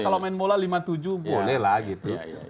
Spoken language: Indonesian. kalau main bola lima tujuh boleh lah gitu